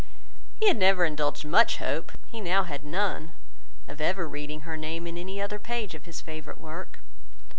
He had never indulged much hope, he had now none, of ever reading her name in any other page of his favourite work.